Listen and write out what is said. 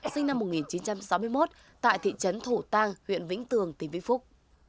sinh năm một nghìn chín trăm sáu mươi một tại thị trấn thổ tàng huyện vĩnh tường tỉnh vĩnh phúc